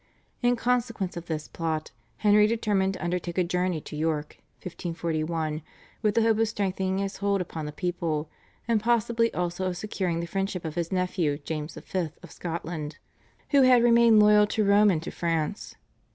In consequence of this plot Henry determined to undertake a journey to York (1541) with the hope of strengthening his hold upon the people, and possibly also of securing the friendship of his nephew, James V. of Scotland, who had remained loyal to Rome and to France.